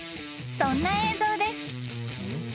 そんな映像です］